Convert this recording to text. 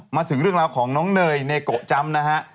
มาถึงเรื่องราวของน้องเนยเนโกะจำนะฮะ